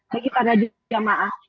jadi itu adalah bagi para jamaah